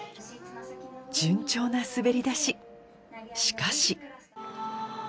順調な滑り出ししかし